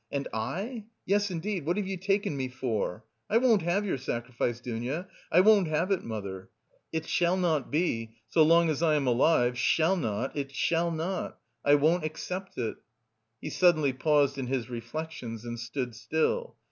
And I? Yes, indeed, what have you taken me for? I won't have your sacrifice, Dounia, I won't have it, mother! It shall not be, so long as I am alive, it shall not, it shall not! I won't accept it!" He suddenly paused in his reflection and stood still.